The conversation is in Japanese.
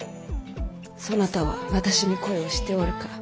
そなたは私に恋をしておるか。